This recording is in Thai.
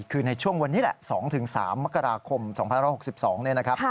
คือในช่วงวันนี้แหละ๒๓มกราคม๒๐๖๒เนี่ยนะครับ